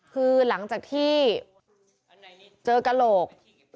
คือหลังจากที่เจอกระโหลก